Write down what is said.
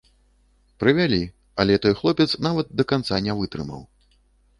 Прывялі, але той хлопец нават да канца не вытрымаў.